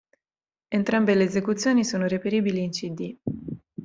Entrambe le esecuzioni sono reperibili in cd.